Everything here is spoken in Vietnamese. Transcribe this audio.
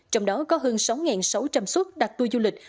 trong đó có hơn sáu sáu trăm linh suất đặt tour du lịch